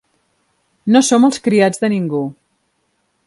No som els criats de ningú